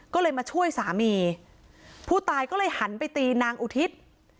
ก็เลยมาช่วยสามีผู้ตายก็เลยหันไปตีนางอุทิศ